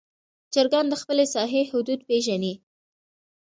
چرګان د خپل ساحې حدود پېژني.